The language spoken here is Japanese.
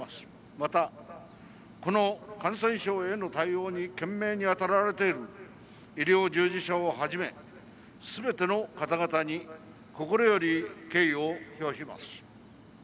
また、この感染症への対応に懸命に当たられている医療従事者をはじめすべての方々に心より敬意を表します。